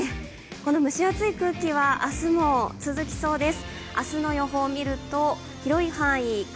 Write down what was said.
この蒸し暑い空気は明日も続きそうです。